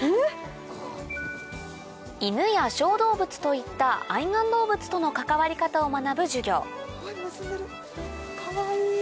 犬や小動物といった愛玩動物との関わり方を学ぶ授業